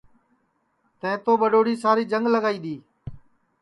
تیں تو ٻڈؔوڑی ساری جنگ لگائی دؔی